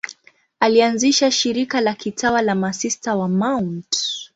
Alianzisha shirika la kitawa la Masista wa Mt.